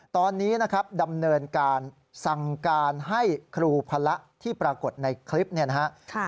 ตอนนี้นะครับดำเนินการสั่งการให้ครูพระที่ปรากฏในคลิปเนี่ยนะครับ